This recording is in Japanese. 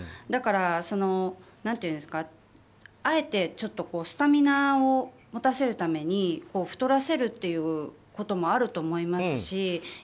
だから、あえてスタミナを持たせるために太らせるっていうこともあると思いますし。